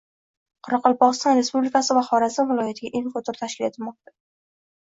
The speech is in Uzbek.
Qoraqalpog‘iston Respublikasi va Xorazm viloyatiga info-tur tashkil etilmoqda